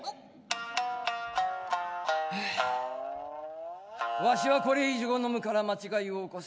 「はあわしはこれ以上飲むからまちがいを起こす。